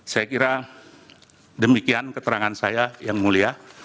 saya kira demikian keterangan saya yang mulia